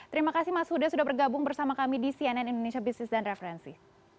terima kasih mas huda sudah bergabung bersama kami di cnn indonesia business dan referensi